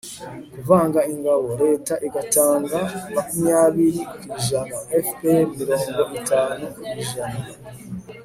kuvanga ingabo, leta igatanga makumyabiri kw'ijana, fpr mirongo itanu kw'ijana